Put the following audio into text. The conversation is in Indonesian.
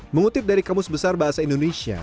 mengutip dari kamus besar bahasa indonesia